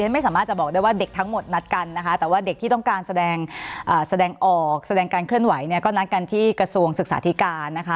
ไม่สามารถจะบอกได้ว่าเด็กทั้งหมดนัดกันนะคะแต่ว่าเด็กที่ต้องการแสดงออกแสดงการเคลื่อนไหวเนี่ยก็นัดกันที่กระทรวงศึกษาธิการนะคะ